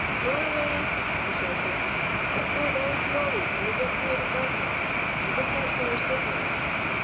"Lower away," he shouted, "but go very slowly when we get near the bottom, and look out for our signal."